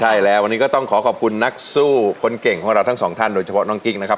ใช่แล้ววันนี้ก็ต้องขอขอบคุณนักสู้คนเก่งของเราทั้งสองท่านโดยเฉพาะน้องกิ้งนะครับ